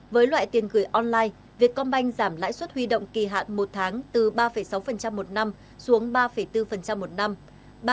với loại tiền gửi online việt com banh giảm lãi suất huy động kỳ hạn một tháng từ ba sáu một năm xuống ba bốn một năm